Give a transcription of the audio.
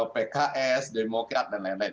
pks demokrat dan lain lain